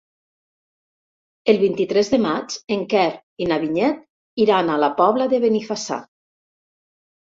El vint-i-tres de maig en Quer i na Vinyet iran a la Pobla de Benifassà.